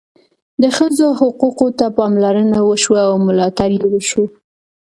د ښځو حقوقو ته پاملرنه وشوه او ملاتړ یې وشو.